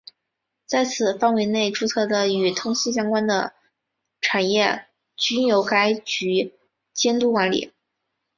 在此范围内注册的与通信相关的产业均由该局监督管理。